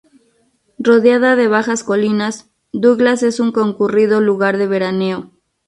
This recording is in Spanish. Rodeada de bajas colinas, Douglas es un concurrido lugar de veraneo.